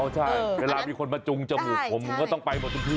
ใช่เวลามีคนมาจุงจมูกผมผมก็ต้องไปหมดทุกที่